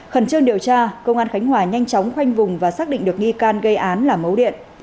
khẩn trương điều tra công an khánh hòa nhanh chóng khoanh vùng và xác định được nghi can gây án là mấu điện